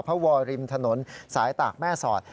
วอริมถนนสายตากแม่สอด